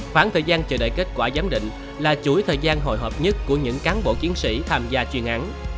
khoảng thời gian chờ đợi kết quả giám định là chuỗi thời gian hồi hợp nhất của những cán bộ chiến sĩ tham gia chuyên án